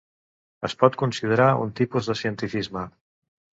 Es pot considerar un tipus de cientifisme.